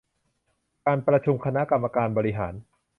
การประชุมคณะกรรมการบริหาร